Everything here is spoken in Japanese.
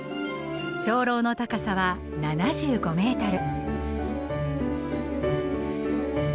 鐘楼の高さは７５メートル。